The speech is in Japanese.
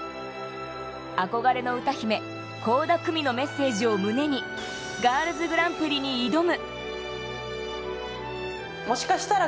憧れの歌姫・倖田來未のメッセージを胸に、ガールズグランプリに挑む。